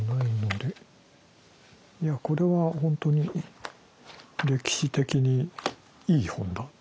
いやこれは本当に歴史的にいい本だ。